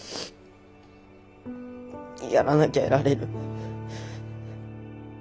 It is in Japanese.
やらなきゃやられる。